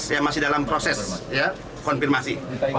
lima belas yang masih dalam proses konfirmasi